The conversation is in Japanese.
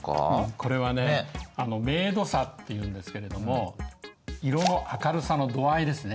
これはね明度差っていうんですけれども色の明るさの度合いですね。